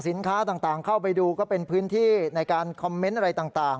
สินค้าต่างเข้าไปดูก็เป็นพื้นที่ในการคอมเมนต์อะไรต่าง